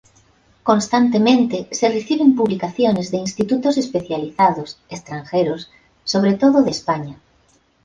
Constantemente se reciben publicaciones de institutos especializados, extranjeros, sobre todo de España.